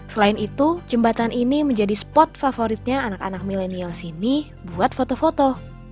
selain itu jembatan ini menjadi spot favoritnya anak anak milenial sini buat foto foto